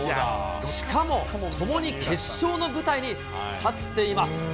しかも、ともに決勝の舞台に立っています。